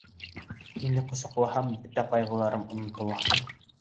Һине ҡосаҡлаһам, бөтә ҡайғыларым онотола!